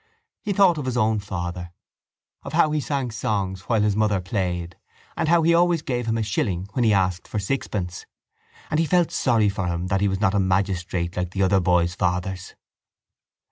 He thought of his own father, of how he sang songs while his mother played and of how he always gave him a shilling when he asked for sixpence and he felt sorry for him that he was not a magistrate like the other boys' fathers.